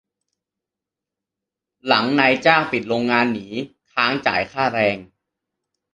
หลังนายจ้างปิดโรงงานหนี-ค้างจ่ายค่าแรง